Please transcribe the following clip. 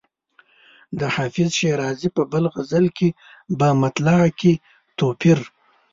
د حافظ شیرازي په بل غزل کې په مطلع کې توپیر.